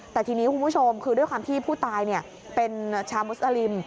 แต่ทีนี้คุณผู้ชมคือด้วยความที่ผู้ตายเป็นชาวมุสลิม